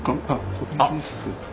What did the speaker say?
これですか？